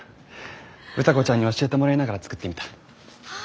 歌子ちゃんに教えてもらいながら作ってみた。